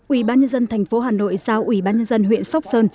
ủy ban nhân dân tp hà nội giao ủy ban nhân dân huyện sóc sơn